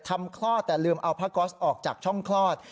คลอดแต่ลืมเอาผ้าก๊อสออกจากช่องคลอด